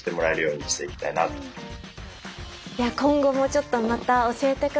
今後もちょっとまた教えてください。